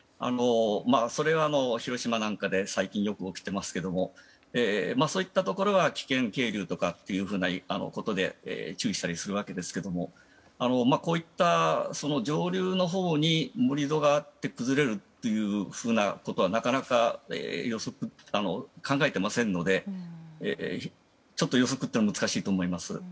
それは広島なんかで最近よく起きていますがそういったところは危険渓流とかということで注意したりするわけですがこういった上流のほうに盛り土があって崩れるというふうなことはなかなか予測不可能考えていませんのでちょっと予測は難しいと思います。